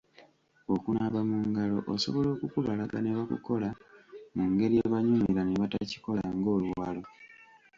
Okunaaba mu ngalo osobola okukubalaga ne bakukola mu ngeri ebanyumira ne batakikola ng’oluwalo.